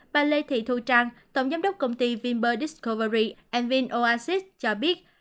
bà lê thị thu trang tổng giám đốc công ty vimper discovery vim oasis cho biết